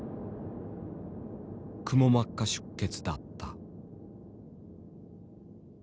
くも膜下出血だった。